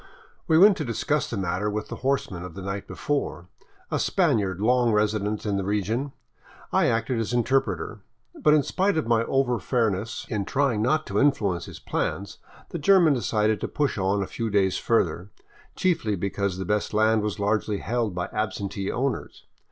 We went to discuss the matter with the horseman of the night before, a Spaniard long resident in the region, I acting as interpreter. But in spite of my over fairness in trying not to influence his plans, the German decided to push on a few days further, chiefly because the best land was largely held by absentee owners.